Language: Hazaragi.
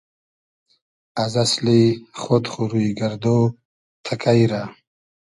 از اسلی خۉد خو روی گئردۉ تئکݷ رۂ؟